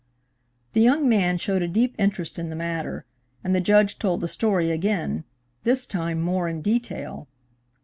The young man showed a deep interest in the matter, and the Judge told the story again, this time more in detail.